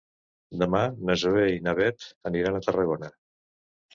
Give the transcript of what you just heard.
Demà na Zoè i na Bet aniran a Tarragona.